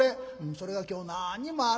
「それが今日何にもあらへんの」。